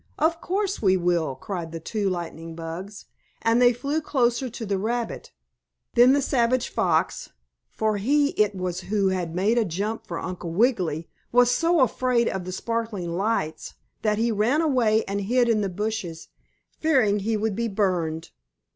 "Of course, we will!" cried the two lightning bugs. And they flew closer to the rabbit. Then the savage fox, for he it was who had made a jump for Uncle Wiggily, was so afraid of the sparkling lights, that he ran away and hid in the bushes, fearing he would be burned.